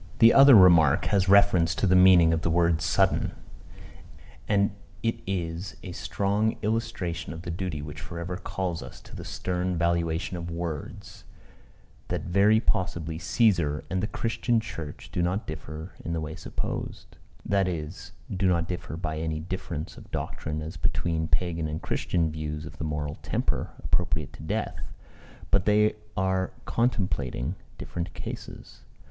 The other remark has reference to the meaning of the word sudden. And it is a strong illustration of the duty which for ever calls us to the stern valuation of words that very possibly Cæesar and the Christian church do not differ in the way supposed; that is, do not differ by any difference of doctrine as between Pagan and Christian views of the moral temper appropriate to death, but that they are contemplating different cases.